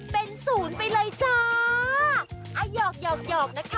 เป็นศูนย์ไปเลยจ้า